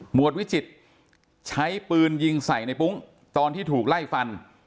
วดวิจิตรใช้ปืนยิงใส่ในปุ๊งตอนที่ถูกไล่ฟัน